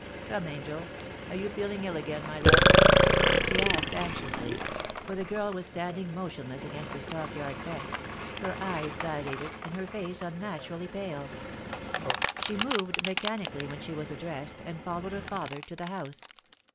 Come, AngeL Are you feeling ill again, my love?* he asked anxiously, for the girl was standing motionless against the stockyard fence, her eyes dilated, and her face un naturally pale. She moved mechanically when she was addressed, and followed her father to the house.